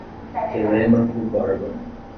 Telêmaco Borba